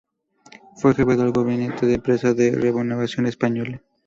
Fue jefe del gabinete de prensa de Renovación Española.